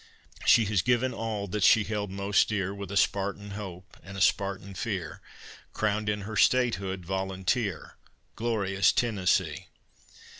She has given all that she held most dear, With a Spartan hope and a Spartan fear, Crowned in her statehood "Volunteer," Glorious Tennessee!